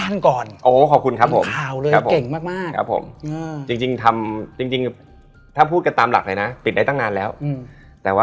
นอนในนั้นเลย